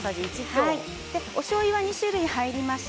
おしょうゆは２種類入ります。